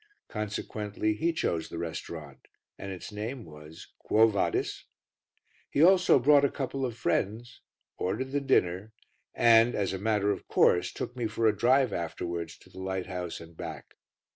Consequently he chose the restaurant, and its name was Quo Vadis? He also brought a couple of friends, ordered the dinner and, as a matter of course, took me for a drive afterwards to the lighthouse and back.